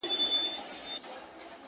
ښه او بد لټوه ځان کي ایینه کي نیرنګ نه وي,